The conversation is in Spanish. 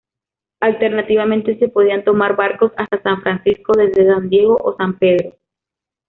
Alternativamente se podían tomar barcos hasta San Francisco desde San Diego o San Pedro.